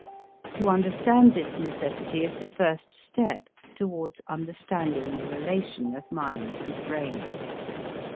To understand this necessity is the first step towards understanding the relation of mind and brain.